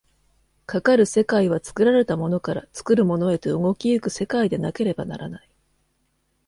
かかる世界は作られたものから作るものへと動き行く世界でなければならない。